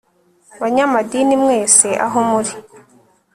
banyamadini mwese aho muri